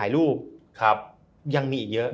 ยังมีเยอะ